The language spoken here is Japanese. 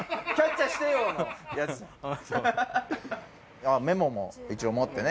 あ、メモも一応持ってね。